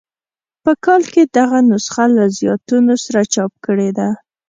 په کال کې دغه نسخه له زیاتونو سره چاپ کړې ده.